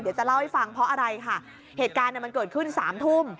เดี๋ยวจะเล่าให้ฟังเพราะอะไรค่ะเหตุการณ์มันเกิดขึ้นสามทุ่ม